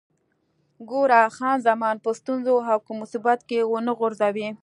ګوره، خان زمان په ستونزو او کوم مصیبت کې ونه غورځوې.